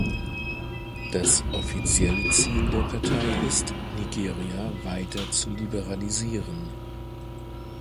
Das offizielle Ziel der Partei ist es, Nigeria weiter zu liberalisieren.